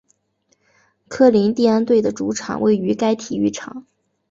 科林蒂安队的主场位于该体育场。